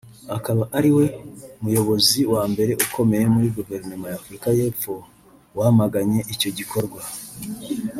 akaba ariwe muyobozi wa mbere ukomeye muri guverinoma ya Afurika y’Epfo wamaganye icyo gikorwa